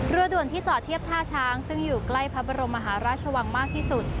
ด่วนที่จอดเทียบท่าช้างซึ่งอยู่ใกล้พระบรมมหาราชวังมากที่สุด